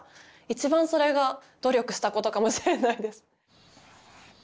一番それが努力したことかもしれないです。